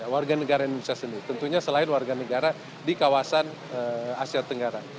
warga negara indonesia sendiri tentunya selain warga negara di kawasan asia tenggara